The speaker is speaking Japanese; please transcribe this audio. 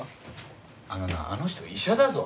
あのなあの人医者だぞ！？